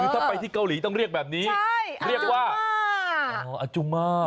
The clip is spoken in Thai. คือถ้าไปที่เกาหลีต้องเรียกแบบนี้เรียกว่าอาจุมา